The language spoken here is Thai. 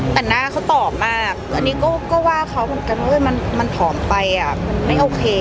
แต่หน้าเขาตอบมากอันนี้ก็ว่าเขาเหมือนกันว่ามันผอมไปอ่ะมันไม่โอเค